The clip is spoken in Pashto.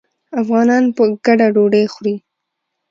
افغانان په ګډه ډوډۍ خوري.